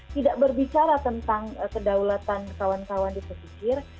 tidak berbicara tentang kedaulatan kawan kawan di pesisir